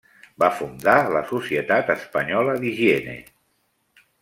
Va fundar la Societat Espanyola d'Higiene.